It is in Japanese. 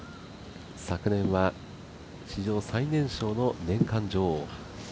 昨年は史上最年少の年間女王。